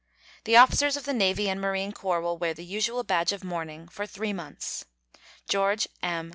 The officers of the Navy and Marine Corps will wear the usual badge of mourning for three months. GEO. M.